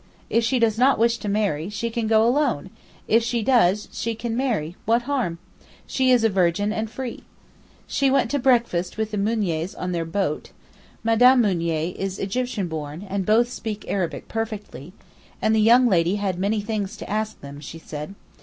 if she does not wish to marry, she can go alone; if she does, she can marry—what harm? She is a virgin and free.' She went to breakfast with the Mouniers on their boat (Mme. M. is Egyptian born, and both speak Arabic perfectly), and the young lady had many things to ask them, she said.